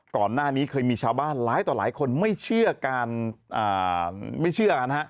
ก่อนหน้านี้เคยมีชาวบ้านหลายต่อหลายคนไม่เชื่อกัน